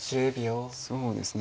そうですね